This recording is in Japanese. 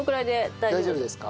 大丈夫ですか。